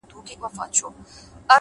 لوړ هدفونه ژمنتیا غواړي’